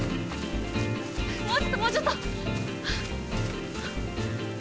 もうちょっともうちょっと！